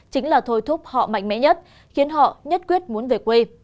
chính là thôi thúc họ mạnh mẽ nhất khiến họ nhất quyết muốn về quê